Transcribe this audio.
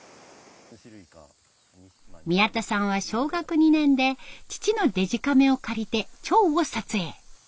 宮田さんは小学２年で父のデジカメを借りてチョウを撮影。